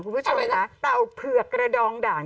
คุณผู้ชมค่ะเต่าเผือกกระดองด่าน